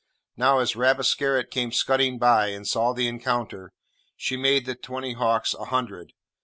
Now, as Rabesqurat came scudding by, and saw the encounter, she made the twenty hawks a hundred.